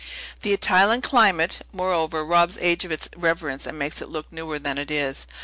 The Italian climate, moreover, robs age of its reverence and makes it look newer than it is.